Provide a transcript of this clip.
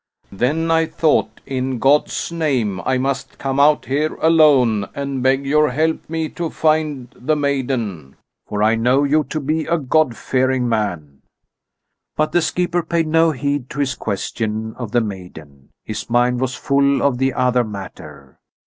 Then I thought, in God's name I must come out here alone and beg you help me to find the maiden, for I know you to be a God fearing man." But the skipper paid no heed to his question of the maiden; his mind was full of the other matter.